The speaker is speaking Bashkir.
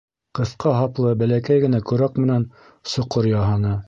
Ҡыҫҡа һаплы бәләкәй генә кәрәк менән соҡор яһаны.